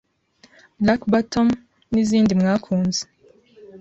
Black Bottom nizindi mwakunze